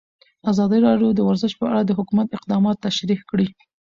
ازادي راډیو د ورزش په اړه د حکومت اقدامات تشریح کړي.